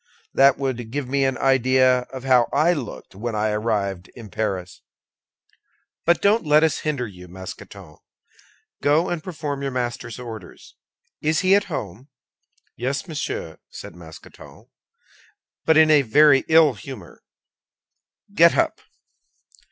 That would give me an idea of how I looked when I arrived in Paris. But don't let us hinder you, Mousqueton; go and perform your master's orders. Is he at home?" "Yes, monsieur," said Mousqueton, "but in a very ill humor. Get up!"